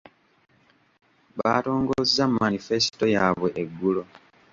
Baatongozza manifesito yaabwe eggulo.